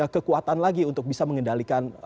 kekuatan lagi untuk bisa mengendalikan